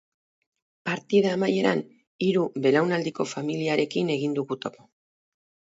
Partida amaieran, hiru belaunaldiko familiarekin egin dugu topo.